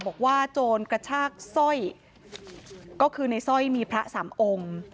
โจรกระชากสร้อยก็คือในสร้อยมีพระสามองค์